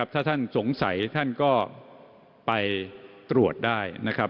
ถ้าท่านสงสัยท่านก็ไปตรวจได้